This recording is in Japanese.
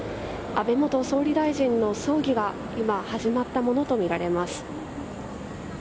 安倍元総理大臣の葬儀が今、始まったものとみられます。